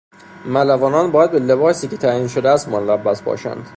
ملوانان باید به لباسی که تعیین شده است ملبس باشند.